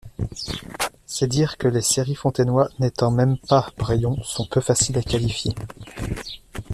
C’est dire que les Sérifontainois n’étant pas même Brayons sont peu faciles à qualifier.